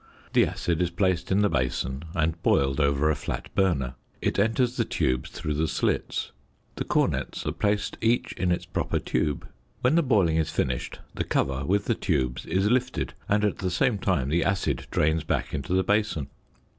The acid is placed in the basin and boiled over a flat burner; it enters the tubes through the slits. The cornets are placed each in its proper tube. When the boiling is finished, the cover with the tubes is lifted and at the same time the acid drains back into the basin.